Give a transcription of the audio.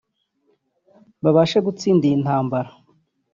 babashe gutsinda iyi ntambara